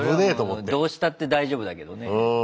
それはもうどうしたって大丈夫だけどね。